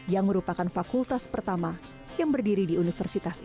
yang merupakan fakultas pertama yang berdiri di universitas ini